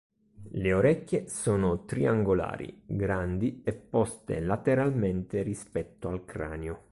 Le orecchie sono triangolari, grandi e poste lateralmente rispetto al cranio.